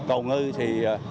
cầu ngư thì